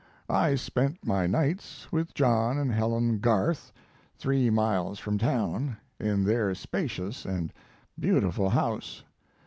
I spent my nights with John and Helen Garth, three miles from town, in their spacious and beautiful house.